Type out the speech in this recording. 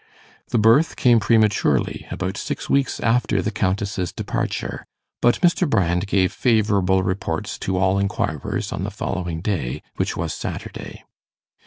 The birth came prematurely, about six weeks after the Countess's departure, but Mr. Brand gave favourable reports to all inquirers on the following day, which was Saturday.